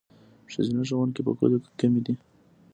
ښځینه ښوونکي په کلیو کې کمې دي.